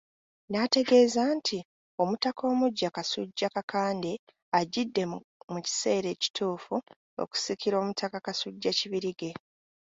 N'ategeeza nti, Omutaka omuggya Kasujja Kakande ajjidde mu kiseera kituufu okusikira Omutaka Kasujja Kibirige.